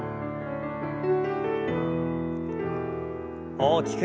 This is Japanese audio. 大きく。